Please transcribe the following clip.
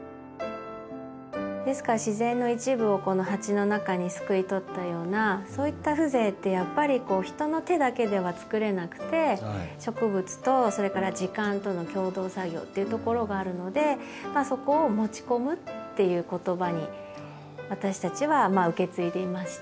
ですから自然の一部をこの鉢の中にすくい取ったようなそういった風情ってやっぱり人の手だけではつくれなくて植物とそれから時間との共同作業っていうところがあるのでそこを持ち込むっていう言葉に私たちは受け継いでいまして。